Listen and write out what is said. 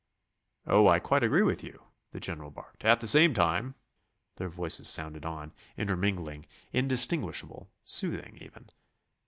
"Oh, I quite agree with you," the general barked; "at the same time...." Their voices sounded on, intermingling, indistinguishable, soothing even.